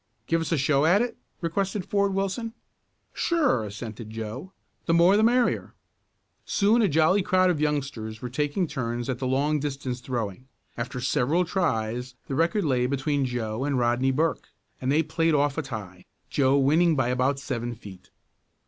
"Give us a show at it?" requested Ford Wilson. "Sure," assented Joe. "The more, the merrier." Soon a jolly crowd of youngsters were taking turns at the long distance throwing. After several tries the record lay between Joe and Rodney Burke, and they played off a tie, Joe winning by about seven feet.